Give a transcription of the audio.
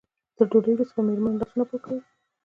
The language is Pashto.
تر ډوډۍ وروسته به مېرمنو لاسونه پاکول.